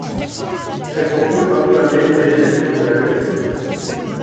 Ces propos enflammaient l'imagination de l'adolescent.